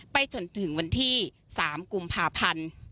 ไปจนถึงวันที่๓กุมภาพันธ์